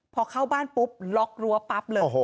พอเข้าบ้านปุ๊บล็อกรั้วปั๊บเลย